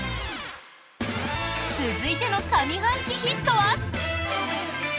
続いての上半期ヒットは。